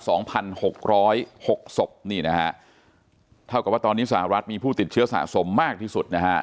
สองพันหกร้อยหกศพนี่นะฮะเท่ากับว่าตอนนี้สหรัฐมีผู้ติดเชื้อสะสมมากที่สุดนะฮะ